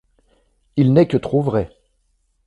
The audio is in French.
Il n’est que trop vrai !